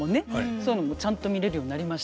そういうのもちゃんと見れるようになりました。